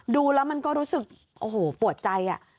ดูแล้วมันก็รู้สึกโอ้โหปวดใจ